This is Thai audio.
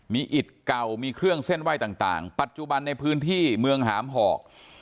มีอิดเก่ามีเครื่องเส้นไหว้ต่างปัจจุบันในพื้นที่เมืองหามหอก